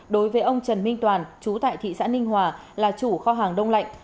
đối với ông trần minh toàn chú tại thị xã ninh hòa là chủ kho hàng đông lạnh